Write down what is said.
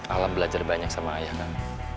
alam belajar banyak sama ayah kan